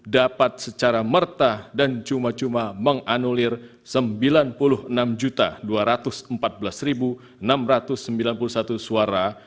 dapat secara merta dan cuma cuma menganulir sembilan puluh enam dua ratus empat belas enam ratus sembilan puluh satu suara